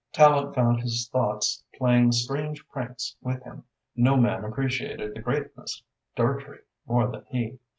Tallente found his thoughts playing strange pranks with him. No man appreciated the greatness of Dartrey more than he.